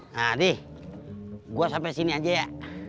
nah deh gue sampai sini aja ya